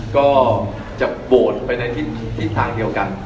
ก็จะโปรดไปในทิศทางเดียวกัน